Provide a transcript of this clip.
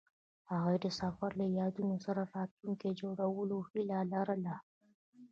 هغوی د سفر له یادونو سره راتلونکی جوړولو هیله لرله.